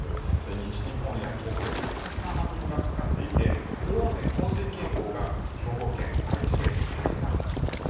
西日本や東海活発な雨雲がかかっていて大雨洪水警報が兵庫県、愛知県に出ています。